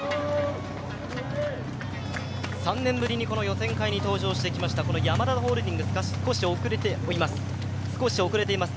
３年ぶりに、この予選会に登場してきましたヤマダホールディングスが少し遅れています。